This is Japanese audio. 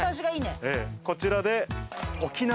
こちらで。